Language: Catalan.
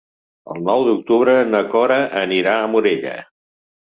El nou d'octubre na Cora anirà a Morella.